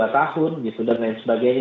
dua tahun gitu dan lain sebagainya